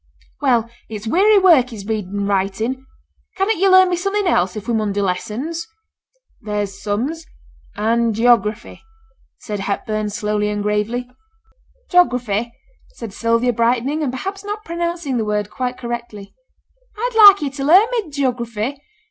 'Well, it's weary work is reading and writing. Cannot you learn me something else, if we mun do lessons?' 'There's sums and geography,' said Hepburn, slowly and gravely. 'Geography!' said Sylvia, brightening, and perhaps not pronouncing the word quite correctly, 'I'd like yo' to learn me geography.